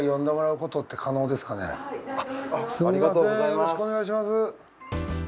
よろしくお願いします。